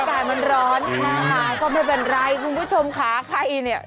แต่มันร้อนค่ะความเป็นอะไรคุณผู้ชมขาใครเนี่ย